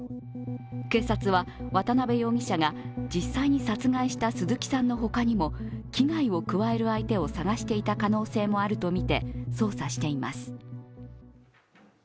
警察は渡辺容疑者が実際に殺害した鈴木さんの他にも危害を加える相手を探していた可能性もあるとみて捜査しています。